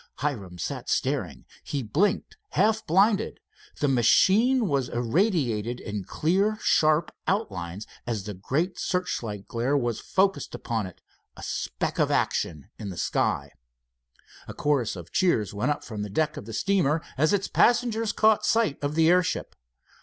Hiram sat staring. He blinked, half blinded. The machine was irradiated in clear, sharp outlines as the great searchlight glare was focused, a speck of action in the sky. A chorus of cheers went up from the deck of the steamer as its passengers caught sight of the airship.